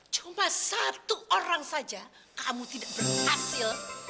cuma satu orang saja kamu tidak berhasil